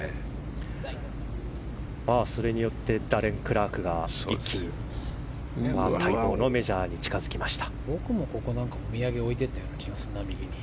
それによってダレン・クラークが一気に待望のメジャーに近づきました。